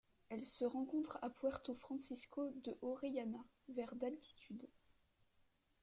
Elle se rencontre à Puerto Francisco de Orellana vers d'altitude.